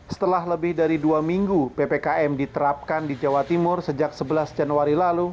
setelah lebih dari dua minggu ppkm diterapkan di jawa timur sejak sebelas januari lalu